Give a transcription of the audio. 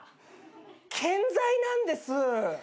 健在なんです！